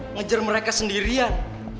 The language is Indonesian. ngejar mereka sendirian